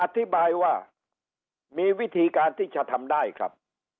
อธิบายว่ามีวิธีการที่จะทำได้ครับ